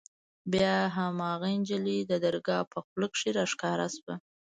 بيا هماغه نجلۍ د درګاه په خوله کښې راښکاره سوه.